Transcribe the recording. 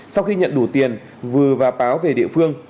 sau khi nhận đủ tiền vừa và báo về địa phương